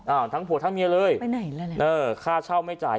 อ้าวทั้งผู้ทั้งเมียเลยไปไหนแล้วค่าเช่าไม่จ่าย